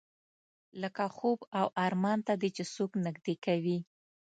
لکه خوب او ارمان ته دې چې څوک نږدې کوي.